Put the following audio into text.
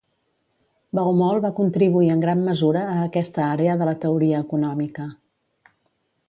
Baumol va contribuir en gran mesura a aquesta àrea de la teoria econòmica.